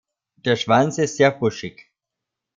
Der Schwanz ist sehr buschig.